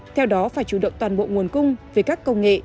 theo đó phải chủ động toàn bộ nguồn cung về các công nghệ